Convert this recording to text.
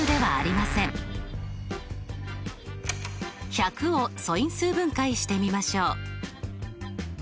１００を素因数分解してみましょう。